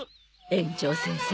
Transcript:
園長先生